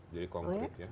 jadi konkret ya